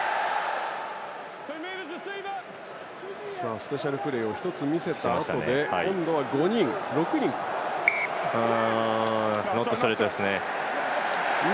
スペシャルプレーを１つ見せたあとでノットストレートですね。